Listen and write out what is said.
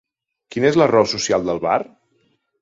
Quina és la raó social del bar?